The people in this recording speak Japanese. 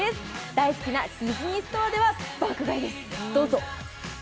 大好きなディズニーストアでは爆買いです、どうぞ。